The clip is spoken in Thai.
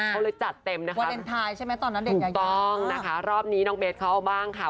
เขาเลยจัดเต็มนะคะถูกต้องนะคะรอบนี้น้องเบสเขาบ้างค่ะ